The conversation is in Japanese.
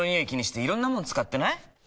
気にしていろんなもの使ってない？